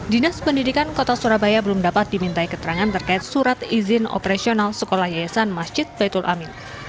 dinas pendidikan kota surabaya belum dapat dimintai keterangan terkait surat izin operasional sekolah yayasan masjid baitul amin